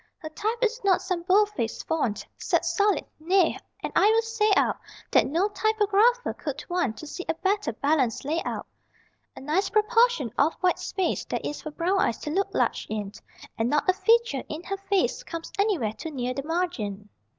Her type is not some =bold face= font, Set solid. Nay! And I will say out That no typographer could want To see a better balanced layout. A nice proportion of white space There is for brown eyes to look large in, And not a feature in her face Comes anywhere too near the margin.